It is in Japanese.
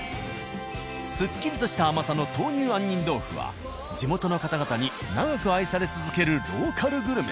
すっきりとした甘さの豆乳杏仁豆腐は地元の方々に長く愛され続けるローカルグルメ。